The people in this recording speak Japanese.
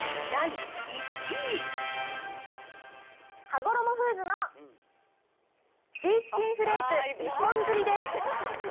はごろもフーズのシーチキンフレーク一本釣りです。